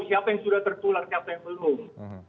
siapa yang sudah tertular siapa yang belum